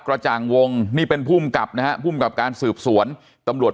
จ่างวงนี่เป็นภูมิกับนะฮะภูมิกับการสืบสวนตำรวจ